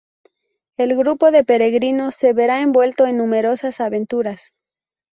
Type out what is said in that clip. El grupo de peregrinos se verá envuelto en numerosas aventuras.